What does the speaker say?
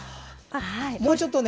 もうちょっとね。